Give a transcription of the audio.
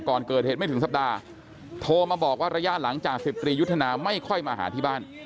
ก่อนเกิดเหตุไม่ถึงสัปดาห์โทรมาบอกว่าระยะหลังจาก๑๐ตรียุทธนาไม่ค่อยมาหาที่บ้าน